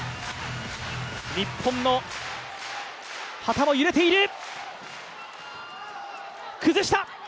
日本の旗も揺れている！